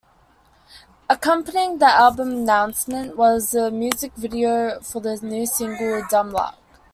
Accompanying the album announcement was the music video for new single "Dumb Luck".